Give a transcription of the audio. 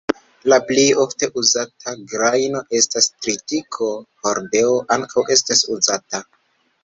La plej ofte uzata grajno estas tritiko; hordeo ankaŭ estas uzata.